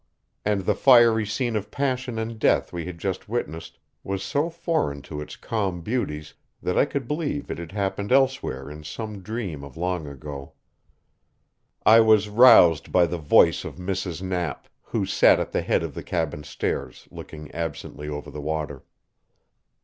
And the fiery scene of passion and death we had just witnessed was so foreign to its calm beauties, that I could believe it had happened elsewhere in some dream of long ago. I was roused by the voice of Mrs. Knapp, who sat at the head of the cabin stairs, looking absently over the water.